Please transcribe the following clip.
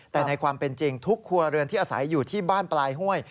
แต่ในความเป็นจริงทุกครัวเรือนที่อาศัยอยู่ที่บ้านปลายห้วย